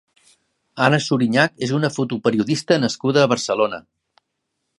Anna Surinyach és una fotoperiodista nascuda a Barcelona.